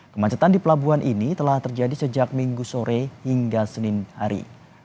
kemacetan di pelabuhan ini telah terjadi sejak minggu sore hingga senin hari